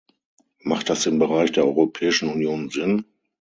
Macht das im Bereich der Europäischen Union Sinn?